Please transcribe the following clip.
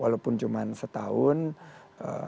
walaupun cuma setahun eee